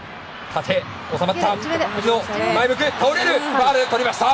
ファウルとりました！